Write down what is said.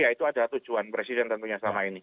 ya itu adalah tujuan presiden tentunya selama ini